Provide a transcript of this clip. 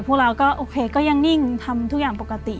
พวกเราก็โอเคก็ยังนิ่งทำทุกอย่างปกติ